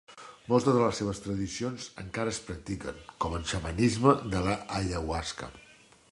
Moltes de les seves tradicions encara es practiquen, com en xamanisme de l'ayahuasca.